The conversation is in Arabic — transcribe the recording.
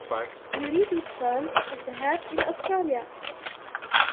يريد توم الذهاب إلى أستراليا.